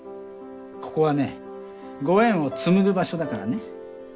ここはねご縁を紡ぐ場所だからね。